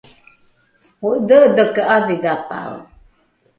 o’edhe’edheke ’adhidhapae